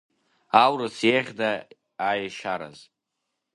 Аурыс иеиӷьда аешьараз!